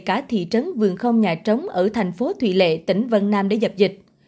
cả thị trấn vườn không nhà trống ở thành phố thủy lệ tỉnh vân nam để dập dịch